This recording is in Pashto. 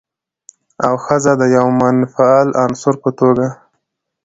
او ښځه د يوه منفعل عنصر په توګه